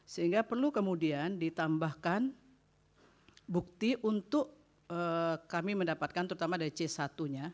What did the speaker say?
sehingga perlu kemudian ditambahkan bukti untuk kami mendapatkan terutama dari c satu nya